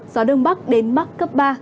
gió đông bắc đến mắc cấp ba